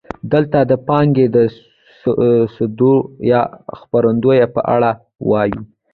دلته د پانګې د صدور یا خپرېدو په اړه وایو